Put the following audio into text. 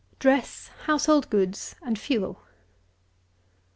DRESS, HOUSEHOLD GOODS, AND FUEL.